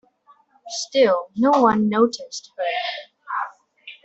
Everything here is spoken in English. Still no one noticed her.